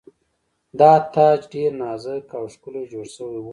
دا تاج ډیر نازک او ښکلی جوړ شوی و